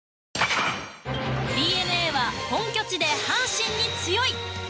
ＤｅＮＡは本拠地で阪神に強い。